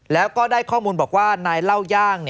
แล้วก็ได้ข้อมูลบอกว่านายเล่าย่าง